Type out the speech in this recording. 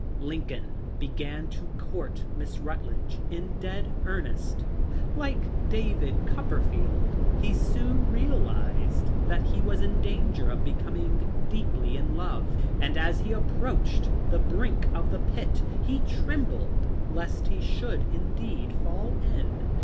Lincoln began to court Miss Rutledge in dead earnest. Like David Copperfield, he soon realized that he was in danger of becoming deeply in love, and as he approached the brink of the pit he trembled lest he should indeed fall in.